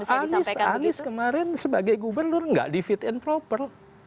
anies kemarin sebagai gubernur gak di fit and proper